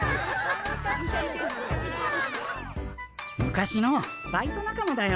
昔のバイト仲間だよ。